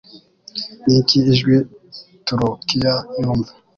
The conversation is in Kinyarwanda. Niki Ijwi Turukiya Yumva